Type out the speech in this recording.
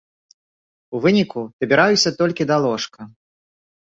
У выніку дабіраюся толькі да ложка.